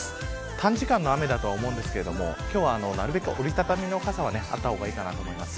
短時間の雨だとは思いますがなるべく折り畳みの傘はあった方がいいと思います。